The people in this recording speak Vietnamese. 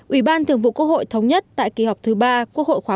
ủy ban thường vụ quốc hội thống nhất tại kỳ họp thứ ba quốc hội khóa một mươi